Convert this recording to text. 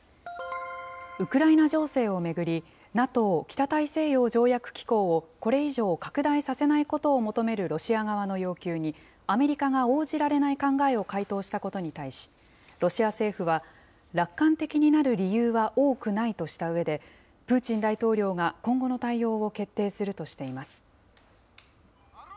ウクライナ情勢を巡り、ＮＡＴＯ・北大西洋条約機構をこれ以上、拡大させないことを求めるロシア側の要求に、アメリカが応じられない考えを回答したことに対し、ロシア政府は、楽観的になる理由は多くないとしたうえで、プーチン大統領が、今後の対応を決定するとしています。